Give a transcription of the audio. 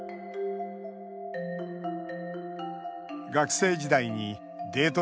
学生時代にデート